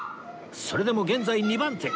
それでも現在２番手